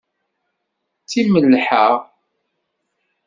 D timelha.